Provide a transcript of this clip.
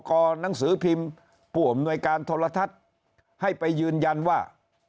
หนังสือพิมพ์ผู้อำนวยการโทรทัศน์ให้ไปยืนยันว่า